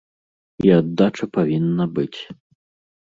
І аддача павінна быць.